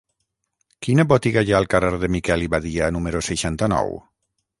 Quina botiga hi ha al carrer de Miquel i Badia número seixanta-nou?